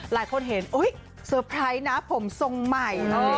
หลายคนเห็นเซอร์ไพรส์นะผมทรงใหม่